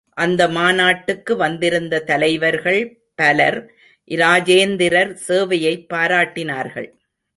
அந்த மாநாட்டுக்கு வந்திருந்த தலைவர்கள் பலர், இராஜேந்திரர் சேவையைப் பாராட்டினார்கள்.